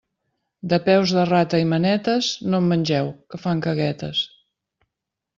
De peus de rata i manetes, no en mengeu, que fan caguetes.